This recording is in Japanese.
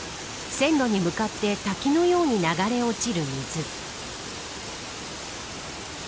線路に向かって滝のように流れ落ちる水。